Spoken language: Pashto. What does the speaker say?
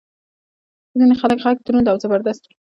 د ځینې خلکو ږغ دروند او زبردست وي.